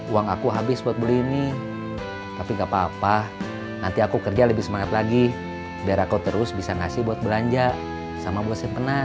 uang aku habis buat beli ini tapi gak apa apa nanti aku kerja lebih semangat lagi biar aku terus bisa ngasih buat belanja sama buat yang pernah